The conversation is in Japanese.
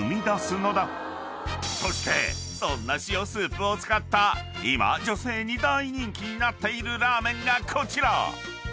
［そしてそんな塩スープを使った今女性に大人気になっているラーメンがこちら！］